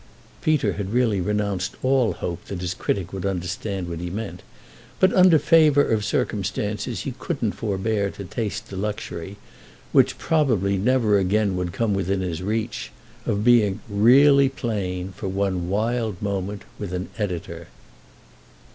Peter had really renounced all hope that his critic would understand what he meant, but, under favour of circumstances, he couldn't forbear to taste the luxury, which probably never again would come within his reach, of being really plain, for one wild moment, with an editor.